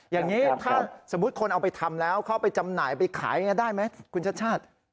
อย่างนี้ถ้าสมมุติคนเอาไปทำแล้วเข้าไปจำหน่ายไปขายได้ไหมคุณชาติชาติ